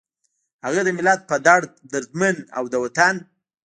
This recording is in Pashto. هغه د ملت پۀ دړد دردمند، او د وطن